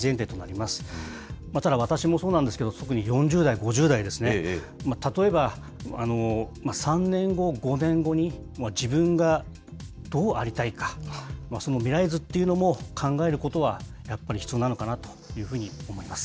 また、ただ私もそうなんですけれども、特に４０代、５０代ですね、例えば３年後、５年後に、自分がどうありたいか、その未来図っていうのも考えることは、やっぱり必要なのかなというふうに思います。